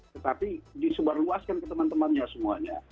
tetapi disebarluaskan ke teman temannya semuanya